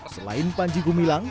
selain panji gumilang